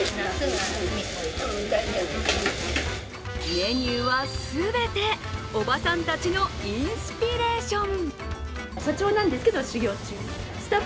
メニューは全ておばさんたちのインスピレーション。